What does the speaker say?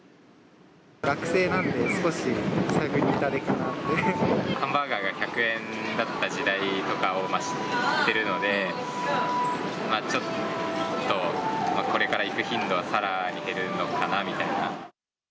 学生なんで、ハンバーガーが１００円だった時代とかを知ってるので、ちょっと、これから行く頻度はさらに減るのかなみたいな。